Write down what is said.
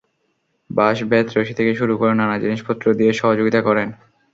বাঁশ, বেত, রশি থেকে শুরু করে নানা জিনিসপত্র দিয়ে সহযোগিতা করেন।